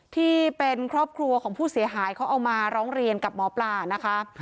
ที่เป็นครอบครัวของผู้เสียหายเขาเอามาร้องเรียนกับหมอปลานะคะ